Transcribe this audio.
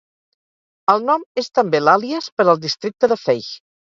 El nom és també l'àlies per al districte de Feigh.